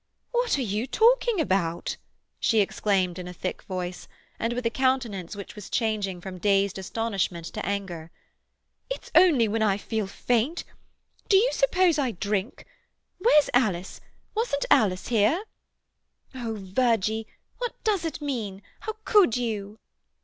"What are you talking about?" she exclaimed in a thick voice, and with a countenance which was changing from dazed astonishment to anger. "It's only when I feel faint. Do you suppose I drink? Where's Alice? Wasn't Alice here?" "O Virgie! What does it mean? How could you?"